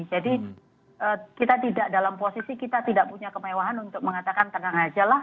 kita tidak dalam posisi kita tidak punya kemewahan untuk mengatakan tenang aja lah